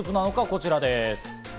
こちらです。